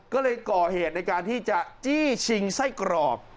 ก็เลยก่อเหตุในการที่จะจี้ชิงไส้กรอก